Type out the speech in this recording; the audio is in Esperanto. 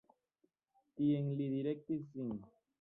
Tien li direktis sin.